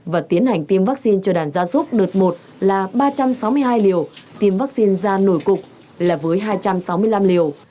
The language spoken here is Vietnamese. và tiến hành tiêm vaccine cho đàn gia giúp đợt một là ba trăm sáu mươi hai liều tiêm vaccine da nổi cục là với hai trăm sáu mươi năm liều